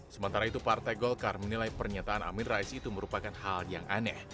sementara itu partai golkar menilai pernyataan amin rais itu merupakan hal yang aneh